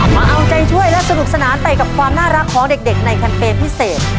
มาเอาใจช่วยและสนุกสนานไปกับความน่ารักของเด็กในแคมเปญพิเศษ